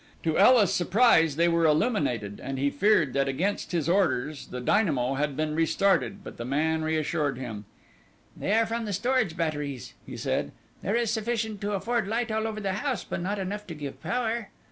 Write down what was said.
To Ela's surprise they were illuminated and he feared that against his orders the dynamo had been restarted, but the man reassured him. "They are from the storage batteries," he said. "There is sufficient to afford light all over the house, but not enough to give power."